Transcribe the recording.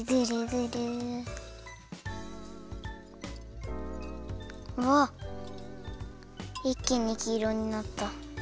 いっきにきいろになった。